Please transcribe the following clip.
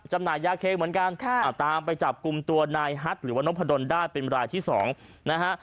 จำหน่ายยาเคเหมือนกันตามไปจับกลุ่มตัวนายฮัทหรือว่านกพะดนได้เป็นรายที่๒นะฮะ